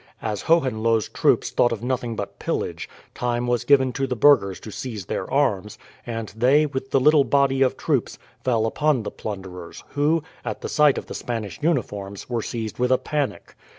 As Hohenlohe's troops thought of nothing but pillage, time was given to the burghers to seize their arms; and they, with the little body of troops, fell upon the plunderers, who, at the sight of the Spanish uniforms, were seized with a panic.